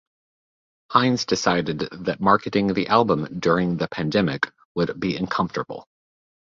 Hinds decided that marketing the album during the pandemic would be uncomfortable.